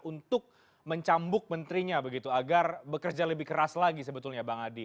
untuk mencambuk menterinya begitu agar bekerja lebih keras lagi sebetulnya bang adi